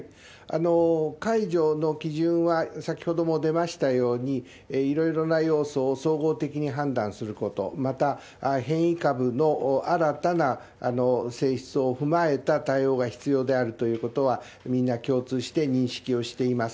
解除の基準は、先ほども出ましたように、いろいろな要素を総合的に判断すること、また、変異株の新たな性質を踏まえた対応が必要であるということは、みんな共通して認識をしています。